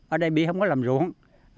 ở đây biết không có làm ruộng